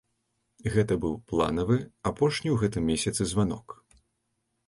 Гэта быў планавы, апошні ў гэтым месяцы званок.